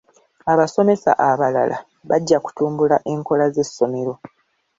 Abasomesa abalala bajja kutumbula enkola z'essomero.